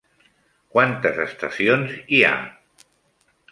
Quantes estacions hi ha?